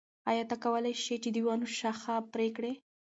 آیا ته کولای شې چې د ونو شاخه بري وکړې؟